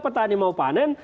petani mau panen